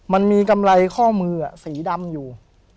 มันมีกำไรข้อมือสีดำอยู่